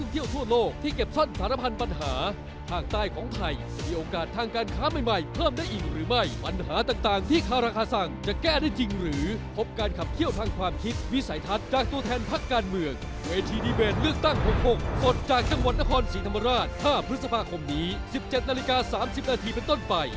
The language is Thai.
ทีเบตเลือกตั้ง๖๖ปลดจากจังหวัดนครสีธรรมราช๕พฤษภาคมนี้๑๗นาฬิกา๓๐นาทีเป็นต้นไป